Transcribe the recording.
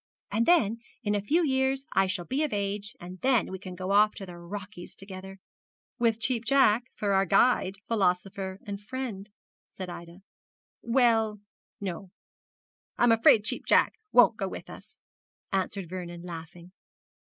And then in a few years I shall be of age, and then we can go off to the Rockies together.' 'With Cheap Jack for our guide, philosopher and friend.' said Ida. 'Well, no; I'm afraid Cheap Jack won't go with us!' answered Vernon, laughing.